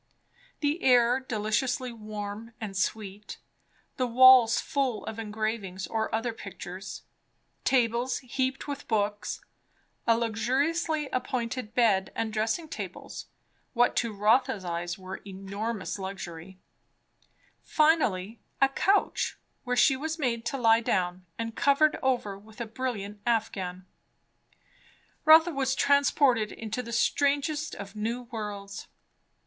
The air deliciously warm and sweet, the walls full of engravings or other pictures, tables heaped with books, a luxuriously appointed bed and dressing tables, (what to Rotha's eyes was enormous luxury) finally a couch, where she was made to lie down and covered over with a brilliant affghan. Rotha was transported into the strangest of new worlds.